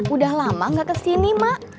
udah lama nggak kesini ma